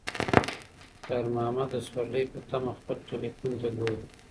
خیر محمد د سوارلۍ په تمه خپل تلیفون ته ګوري.